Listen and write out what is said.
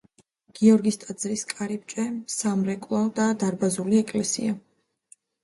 გიორგის ტაძრის კარიბჭე, სამრეკლო და დარბაზული ეკლესია.